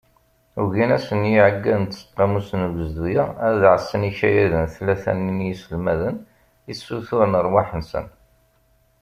Ugin-asen yiɛeggalen n tseqqamut n ugezdu-a, ad ɛassen ikayaden tlata-nni n yiselmaden, i ssuturen rrwaḥ-nsen.